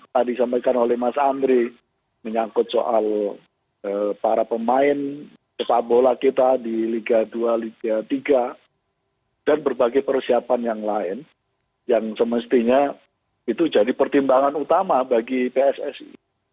tadi sampaikan oleh mas andri menyangkut soal para pemain sepak bola kita di liga dua liga tiga dan berbagai persiapan yang lain yang semestinya itu jadi pertimbangan utama bagi pssi